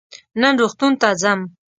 نن روغتون ته ځم.